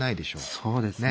そうですね